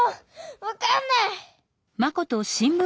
わかんない！